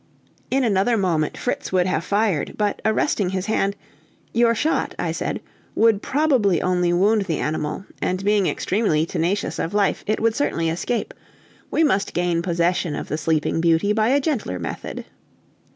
In another moment Fritz would have fired, but arresting his hand, "Your shot," I said, "would probably only wound the animal, and being extremely tenacious of life, it would certainly escape; we must gain possession of the sleeping beauty by a gentler method."